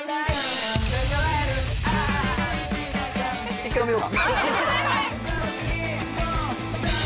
１回止めようか。